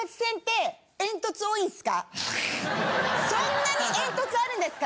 そんなにエントツあるんですか？